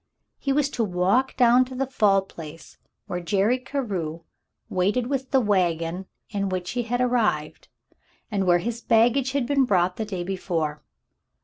He was to walk down to the Fall Place, where Jerry Carew waited with the wagon in which he had arrived, and where his baggage had been brought the day before.